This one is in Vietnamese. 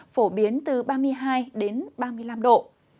phổ biến từ ba mươi hai đến ba mươi năm độ